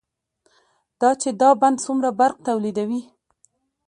دا چې دا بند څومره برق تولیدوي،